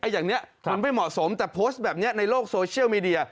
อย่างนี้มันไม่เหมาะสมแต่โพสต์แบบนี้ในโลกโซเชียลมีเดีย